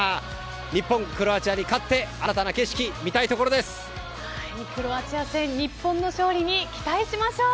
日本、クロアチアに勝ってクロアチア戦日本の勝利に期待しましょう。